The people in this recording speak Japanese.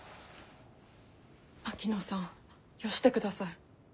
槙野さんよしてください。